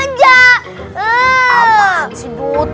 apaan sih dodot